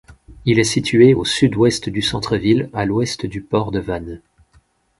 Il est situé au sud-ouest du centre ville, à l'ouest du port de Vannes.